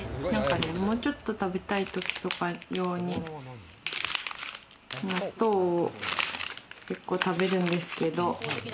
もうちょっと食べたいときとか用に納豆を結構食べるんですけれど。